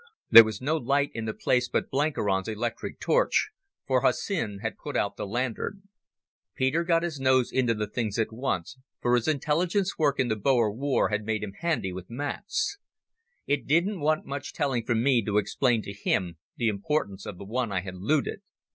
There was no light in the place but Blenkiron's electric torch, for Hussin had put out the lantern. Peter got his nose into the things at once, for his intelligence work in the Boer War had made him handy with maps. It didn't want much telling from me to explain to him the importance of the one I had looted.